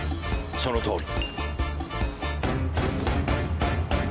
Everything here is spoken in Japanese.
そのとおり。